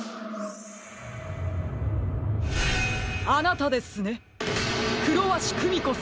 あなたですねクロワシクミコさん。